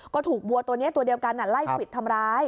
ก็ถูกวัวตัวนี้ตัวเดียวกันไล่ควิดทำร้าย